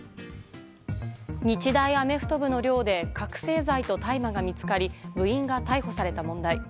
日大アメフト部の寮で覚醒剤と大麻が見つかり部員が逮捕された問題。